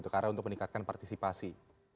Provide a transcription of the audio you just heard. karena untuk meningkatkan partisipasi